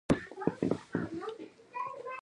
مقالې باید لنډې او جامع وي.